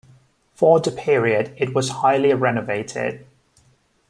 For the period it was highly renovated.